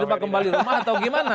kita kembali ke rumah atau gimana